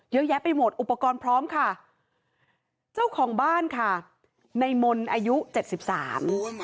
เยอะแยะไปหมดอุปกรณ์พร้อมค่ะเจ้าของบ้านค่ะในมนต์อายุเจ็ดสิบสาม